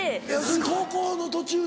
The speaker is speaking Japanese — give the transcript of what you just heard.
登校の途中で？